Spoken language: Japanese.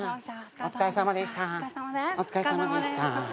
お疲れさまです。